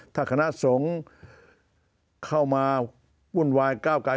ถ้าคณะสงฆ์เข้ามาวุ่นวายก้าวกาย